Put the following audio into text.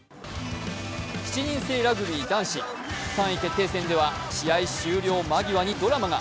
７人制ラグビー男子、３位決定戦では試合終了間際にドラマが。